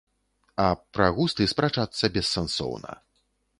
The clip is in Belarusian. А пра густы спрачацца бессэнсоўна.